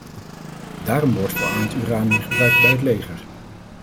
Daarom wordt verarmd uranium gebruikt bij het leger.